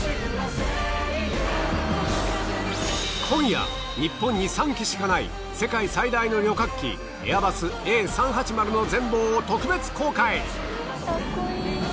今夜日本に３機しかない世界最大の旅客機エアバスＡ３８０の全貌を特別公開。